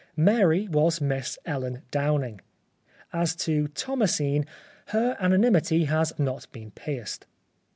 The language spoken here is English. " Mary " was Miss Ellen Downing. As to " Thomasine " her anonymity has not been pierced.